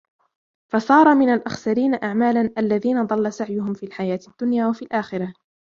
فَصَارَ مِنْ الْأَخْسَرِينَ أَعْمَالًا الَّذِينَ ضَلَّ سَعْيُهُمْ فِي الْحَيَاةِ الدُّنْيَا وَفِي الْآخِرَةِ